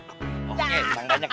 oke sangganya oke